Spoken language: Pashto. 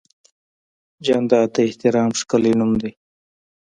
جانداد د احترام ښکلی نوم دی.